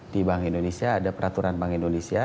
di bank indonesia ada peraturan bank indonesia